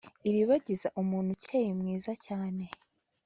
iribagiza umuntu ukeye mwiza cyane